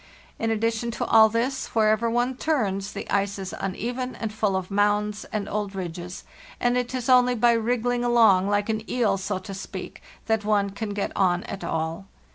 In addition to all this, wherever one turns, the ice is uneven and full of mounds and old ridges, and it is only by wriggling along like an eel, so to speak, that one can get on at all.